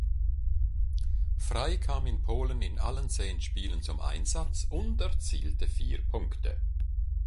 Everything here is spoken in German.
Frey kam in Polen in allen zehn Spielen zum Einsatz und erzielte vier Punkte.